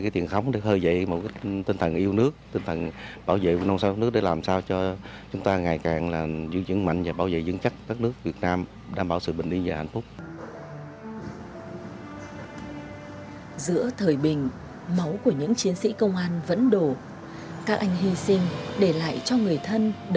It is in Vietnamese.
ở tỉnh hắp lắp khắp hương từng lứa các anh